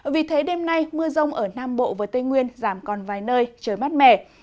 vì thế đêm nay mưa rông ở nam bộ và tây nguyên giảm còn vài nơi trời mát mẻ